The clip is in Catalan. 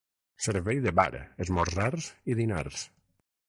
Servei de bar, esmorzars i dinars.